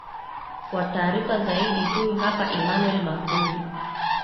wa taarifa zaidi huyu hapa emanuel makundi